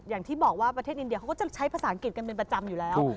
อย่างที่บอกว่าประเทศอินเดียเขาก็จะใช้ภาษาอังกฤษกันเป็นประจำอยู่แล้ว